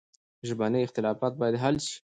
ژبني اختلافات باید حل سي.